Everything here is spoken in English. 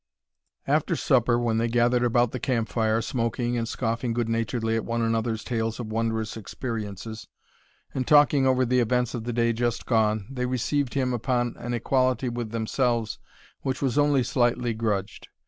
After supper, when they gathered about the campfire, smoking, and scoffing good naturedly at one another's tales of wondrous experiences, and talking over the events of the day just gone, they received him upon an equality with themselves which was only slightly grudged.